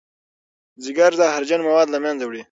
ځیګر زهرجن مواد له منځه وړي